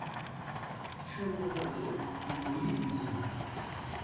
Ččan ayaziḍ deg ubrid-nsen.